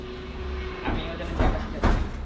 আপনি এও জানেন যে, আমরা কি চাচ্ছি।